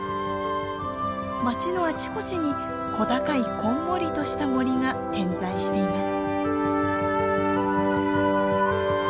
町のあちこちに小高いこんもりとした森が点在しています。